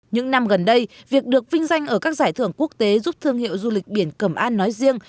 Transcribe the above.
những năm gần đây việc được vinh danh ở các giải thưởng quốc tế giúp thương hiệu du lịch biển cẩm an nói riêng